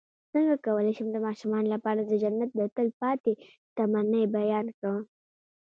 څنګه کولی شم د ماشومانو لپاره د جنت د تل پاتې شتمنۍ بیان کړم